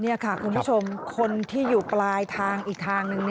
นี่ค่ะคุณผู้ชมคนที่อยู่ปลายทางอีกทางหนึ่ง